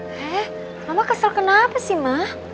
eh mama kesel kenapa sih ma